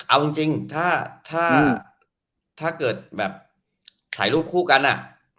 เอาจริงถ้าเกิดแบบถ่ายรูปคู่กันอ่ะ